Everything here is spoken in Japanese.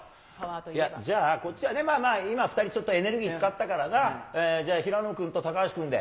じゃあ、こっちは今、２人ちょっとエネルギー使ったからな、じゃあ平野君と高橋君で。